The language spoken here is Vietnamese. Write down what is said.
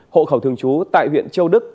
hộ khẩu thường trú tại huyện châu đức